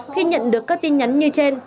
khi nhận được các tin nhắn như trên